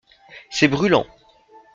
C’est brûlant.